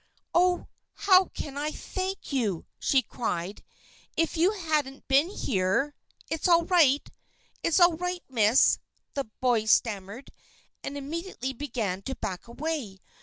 "Oh! how can I thank you?" she cried. "If you hadn't been here " "It's all right it's all right, Miss," the boy stammered, and immediately began to back away.